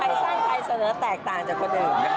สร้างไทยเสนอแตกต่างจากคนอื่น